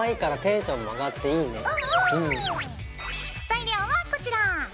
材料はこちら。